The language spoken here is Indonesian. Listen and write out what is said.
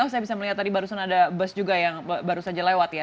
saya bisa melihat tadi barusan ada bus juga yang baru saja lewat ya